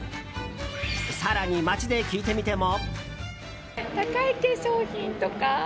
更に、街で聞いてみても。